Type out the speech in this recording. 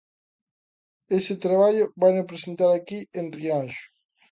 Ese traballo vaino presentar aquí en Rianxo.